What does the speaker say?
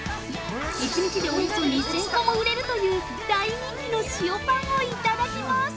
１日でおよそ２０００個も売れるという大人気の塩パンをいただきます。